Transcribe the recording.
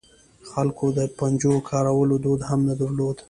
خلکو د پنجو کارولو دود هم نه درلود.